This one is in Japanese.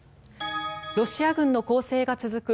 ロシア軍の攻勢が続く